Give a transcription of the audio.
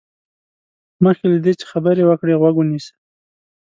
مخکې له دې چې خبرې وکړې، غوږ ونيسه.